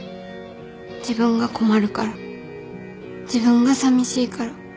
自分が困るから自分がさみしいから。